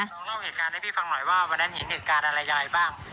เล่าเหตุการณ์ให้พี่ฟังหน่อยว่าวันนั้นเห็นเหตุการณ์อะไรยายบ้าง